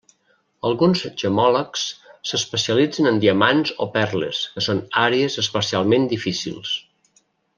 Alguns gemmòlegs s'especialitzen en diamants o perles, que són àrees especialment difícils.